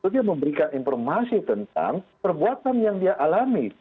dia memberikan informasi tentang perbuatan yang dia alami